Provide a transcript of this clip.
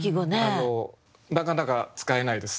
あのなかなか使えないです。